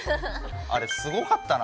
あれすごかったな。